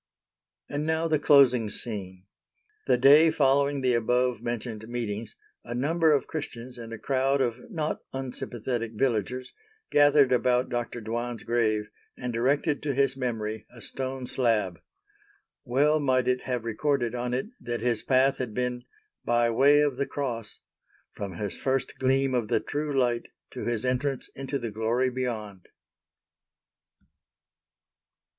And now the closing scene. The day following the above mentioned meetings, a number of Christians and a crowd of not unsympathetic villagers, gathered about Dr. Dwan's grave and erected to his memory a stone slab. Well might it have recorded on it that his path had been "by way of the Cross," from his first Gleam of the true Light to his entrance into the Glory beyond.